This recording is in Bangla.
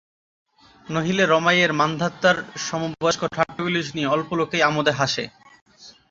নহিলে রমাইয়ের মান্ধাতার সমবয়স্ক ঠাট্টাগুলি শুনিয়া অল্প লােকেই আমােদে হাসে।